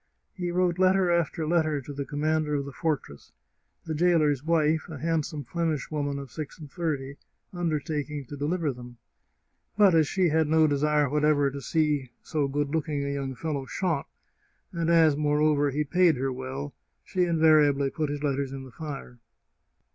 He wrote letter after letter to the commandant of the fortress, the jailer's wife, a handsome Flemish woman of six and thirty, undertaking to deliver them; but as she had no desire whatever to see so good looking a young fellow shot, and as, moreover, he paid her well, she invariably put his letters in the fire.